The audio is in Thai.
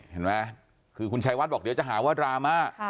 เห็นไหมคือคุณชัยวัดบอกเดี๋ยวจะหาว่าดราม่า